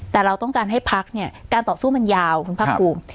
แต่เราต้องการให้พักเนี่ยการต่อสู้มันยาวคุณภาคภูมิ